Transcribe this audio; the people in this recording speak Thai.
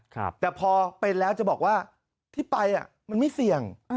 แต่พอเป็นแล้วจะบอกว่าที่ไปมันไม่เสี่ยง